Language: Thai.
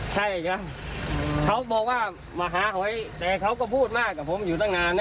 ใช่จ้ะเขาบอกว่ามาหาหอยแต่เขาก็พูดมากกับผมอยู่ตั้งนานนะ